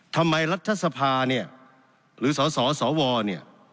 รัฐสภาเนี่ยหรือสสวเนี่ย